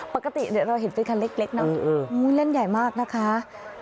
ปกติเราเห็นเค้าเล็กเหมือนเล่นใหญ่มากนะคะ